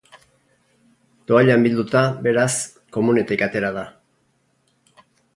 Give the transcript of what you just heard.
Toallan bilduta, beraz, komunetik atera da.